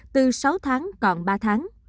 từ sáu tháng còn ba tháng